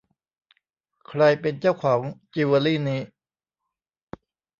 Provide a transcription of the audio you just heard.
ใครเป็นเจ้าของจิวเวอรี่นี้ ?